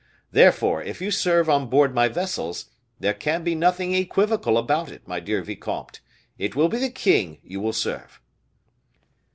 Therefore, if you serve on board my vessels, there can be nothing equivocal about it, my dear vicomte; it will be the king you will serve."